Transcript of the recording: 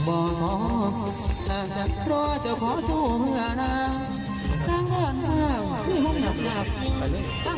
ซื้อเตอร์ที่ป่าพันกันเย็นทุกฤตเย็น